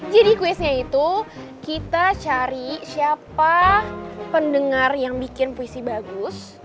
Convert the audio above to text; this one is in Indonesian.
jadi kuisnya itu kita cari siapa pendengar yang bikin puisi bagus